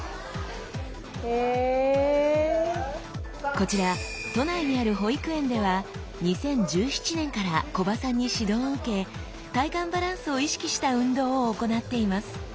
こちら都内にある保育園では２０１７年から木場さんに指導を受け体幹バランスを意識した運動を行っています。